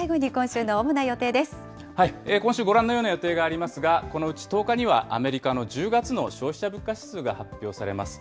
今週ご覧のような予定がありますが、このうち１０日には、アメリカの１０月の消費者物価指数が発表されます。